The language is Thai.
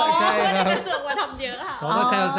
พี่พูดในกระทรวงมาทำเยอะฮะ